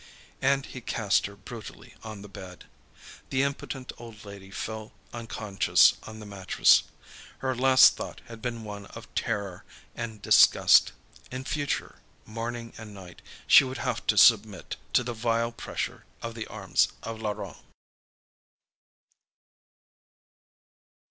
And he cast her brutally on the bed. The impotent old lady fell unconscious on the mattress. Her last thought had been one of terror and disgust. In future, morning and night, she would have to submit to the vile pressure of the arms of Laurent.